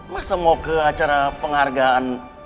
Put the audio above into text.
masa mau ke acara penghargaan